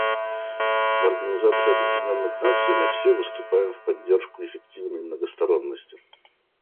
В Организации Объединенных Наций мы все выступаем в поддержку эффективной многосторонности.